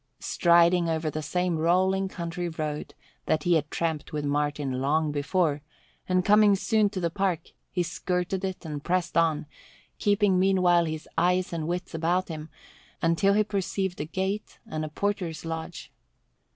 Striding over the same rolling country road that he had tramped with Martin long before, and coming soon to the park, he skirted it and pressed on, keeping meanwhile his eyes and wits about him, until he perceived a gate and a porter's lodge.